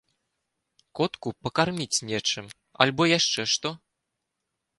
Котку пакарміць нечым, альбо яшчэ што.